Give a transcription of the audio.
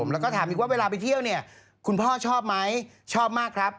แล้วก็ถามอีกว่าเวลาไปเที่ยวเนี่ยคุณพ่อชอบไหมชอบมากครับ